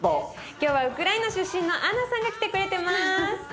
今日はウクライナ出身のアンナさんが来てくれてます。